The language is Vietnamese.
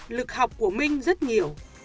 lực học của minh rất nhiều